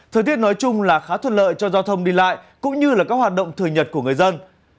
thời tiết nói chung là khá thuận lợi cho giao thông đi lại cũng như là các hoạt động thường nhật của người dân